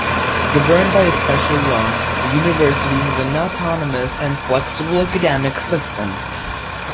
Governed by a special law, the university has an autonomous and flexible academic system.